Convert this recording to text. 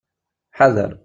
Ḥader!